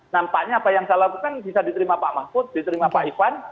nampaknya apa yang saya lakukan bisa diterima pak mahfud diterima pak ivan